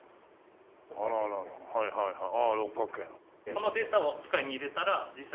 このデータを機械に入れたら実際に作れる。